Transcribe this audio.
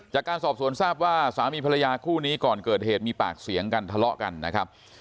จากการสอบสวนทราบว่าสามีภรรยาคู่นี้ก่อนเกิดเหตุมีปากเสียงกันทะเลาะกันนะครับ